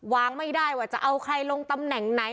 วางไม่ได้ว่าจะเอาใครลงตำแหน่งไหน